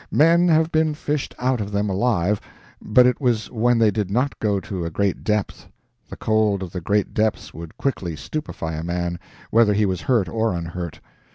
Men have been fished out of them alive; but it was when they did not go to a great depth; the cold of the great depths would quickly stupefy a man, whether he was hurt or unhurt.